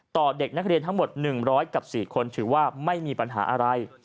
เด็กนักเรียนทั้งหมด๑๐๐กับ๔คนถือว่าไม่มีปัญหาอะไร